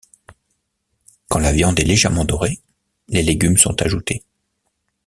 Quand la viande est légèrement dorée, les légumes sont ajoutés.